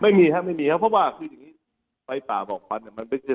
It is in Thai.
ไม่มีครับไม่มีครับเพราะว่าคืออย่างนี้ไฟป่าบอกควัญเนี่ย